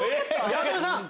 八乙女さん！